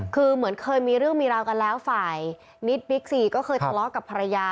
คือเหมือนเคยมีเรื่องมีราวกันแล้วฝ่ายนิดบิ๊กซีก็เคยทะเลาะกับภรรยา